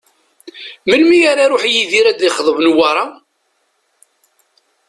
Melmi ara iruḥ Yidir ad d-ixḍeb Newwara?